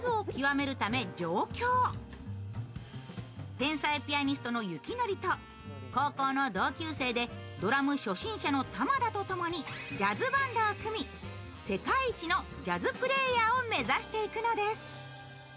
天才ピアニストの雪祈と高校の同級生でドラム初心者の玉田と共にジャズバンドを組み、世界一のジャズプレーヤーを目指していくのです。